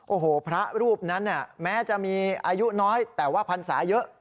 โอ้โหพระรูปนั้นแม้จะมีอายุน้อยแต่ว่าพรรษาเยอะ